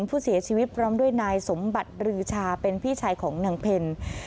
ผู้เสียชีวิตพร้อมด้วยนายสมบัติรือชาเป็นพี่ชายของนางเพล